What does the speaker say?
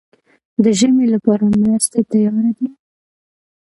د ژمي لپاره مرستې تیارې دي؟